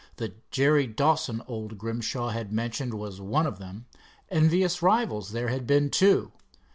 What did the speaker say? The Jerry Dawson old Grimshaw had mentioned was one of them. Envious rivals there had been, too.